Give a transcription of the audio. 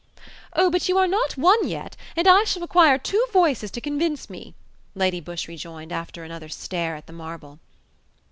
"Oh, but you are not one yet, and I shall require two voices to convince me," Lady Busshe rejoined, after another stare at the marble.